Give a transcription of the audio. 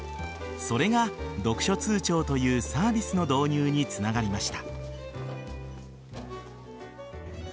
それが読書通帳というサービスの導入につながりました。